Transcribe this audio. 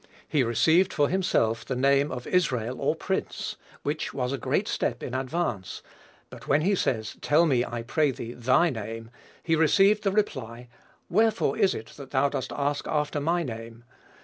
He received for himself the name of "Israel, or prince," which was a great step in advance; but when he says, "Tell me, I pray thee, thy name;" he received the reply, "Wherefore is it that thou dost ask after my name?"